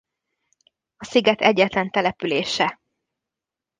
A sziget egyetlen települése.